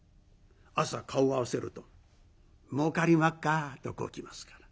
朝顔を合わせると「もうかりまっか」とこう来ますから。